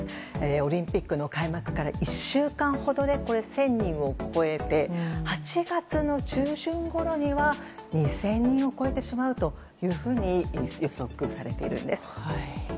オリンピックの開幕から１週間ほどで１０００人を超えて８月の中旬ごろには２０００人を超えてしまうと予測されているんです。